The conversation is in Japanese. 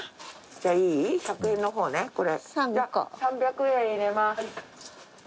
じゃ３００円入れます。